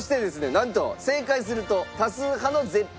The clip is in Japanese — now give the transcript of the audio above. なんと正解すると多数派の絶品料理。